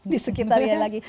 di sekitarnya lagi